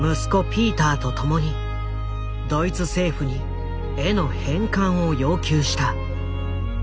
ピーターと共にドイツ政府に絵の返還を要求した。